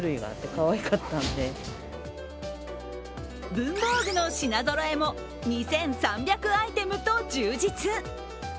文房具の品ぞろえも２３００アイテムと充実。